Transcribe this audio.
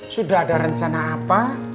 sudah ada rencana apa